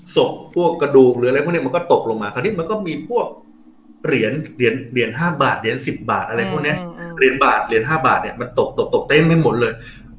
พวกกระดูกหรืออะไรพวกนี้มันก็ตกลงมาคราวนี้มันก็มีพวกเหรียญ๕บาทเหรียญ๑๐บาทอะไรพวกนี้เหรียญบาทเหรียญ๕บาทเนี่ยมันตกตกเต็มไม่หมดเลย